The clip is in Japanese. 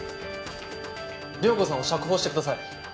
遼子さんを釈放してください。